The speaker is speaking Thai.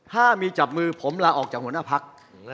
ถ้ามีจับมือผมลาออกจากหัวหน้าพัก